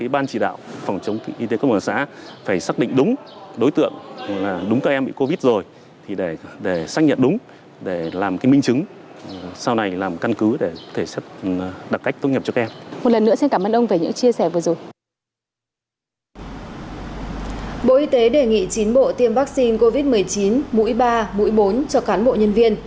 ban chỉ huy quân sự cấp huyện